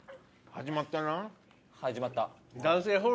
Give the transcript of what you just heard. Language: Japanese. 始まった。